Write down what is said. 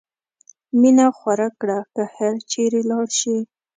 مینه خوره کړه که هر چېرې لاړ شې.